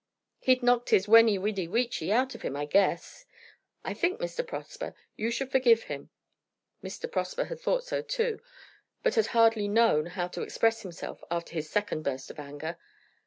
"He'd knocked his weni, widi, wici out of him, I guess! I think, Mr. Prosper, you should forgive him." Mr. Prosper had thought so too, but had hardly known how to express himself after his second burst of anger.